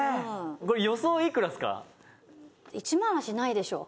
「これ予想いくらですか？」